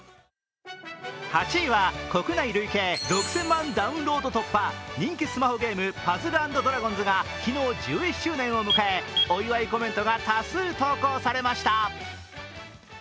８位は国内累計６０００万ダウンロード突破、人気スマホゲーム「パズル＆ドラゴンズ」が昨日、１１周年を迎えお祝いコメントが多数コメントされました。